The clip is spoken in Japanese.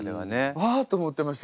「わあ！」と思ってました